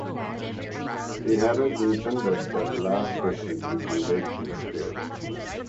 He hadn't intended that last question to be conveyed to the spirit.